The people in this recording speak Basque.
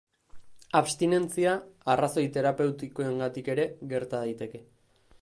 Abstinentzia arrazoi terapeutikoengatik ere gerta daiteke.